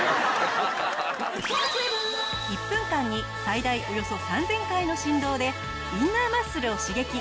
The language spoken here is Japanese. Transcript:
１分間に最大およそ３０００回の振動でインナーマッスルを刺激！